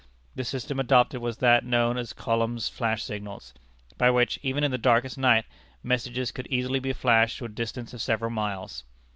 The system adopted was that known as Colomb's Flash Signals, by which, even in the darkest night, messages could easily be flashed to a distance of several miles.